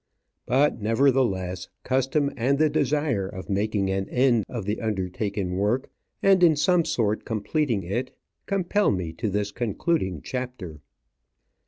But, nevertheless, custom, and the desire of making an end of the undertaken work, and in some sort completing it, compel me to this concluding chapter.